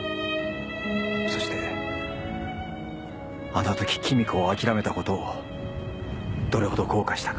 そしてあの時君子をあきらめたことをどれほど後悔したか。